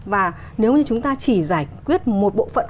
và nếu như chúng ta chỉ giải quyết một bộ phận